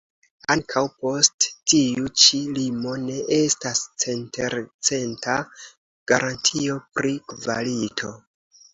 Ankaŭ post tiu ĉi limo ne estas centelcenta garantio pri kvalito.